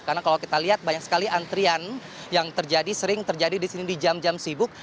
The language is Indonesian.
karena kalau kita lihat banyak sekali antrian yang terjadi sering terjadi di sini di jam jam sibuk